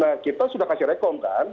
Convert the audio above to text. nah kita sudah kasih rekom kan